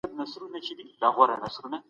کله به نړیواله ټولنه ترانزیت تایید کړي؟